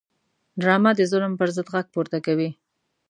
ډرامه د ظلم پر ضد غږ پورته کوي